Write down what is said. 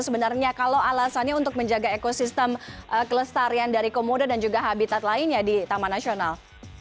sebenarnya kalau alasannya untuk menjaga ekosistem kelestarian dari komodo dan juga habitat lainnya di taman nasional